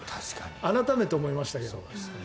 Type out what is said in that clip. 改めて思いましたけど。